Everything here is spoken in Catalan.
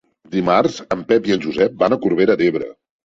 Dimarts en Pep i en Josep van a Corbera d'Ebre.